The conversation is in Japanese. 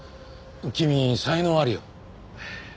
君才能あるよ。